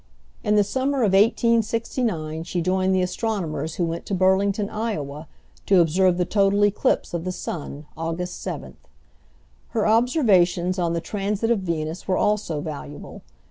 In the summer of 1869 she joined the astronomers who went to Burlington, Iowa, to observe the total eclipse of the sun, Aug. 7. Her observations on the transit of Venus were also valuable.